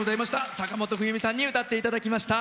坂本冬美さんに歌っていただきました。